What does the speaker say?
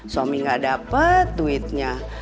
suami gak dapet duitnya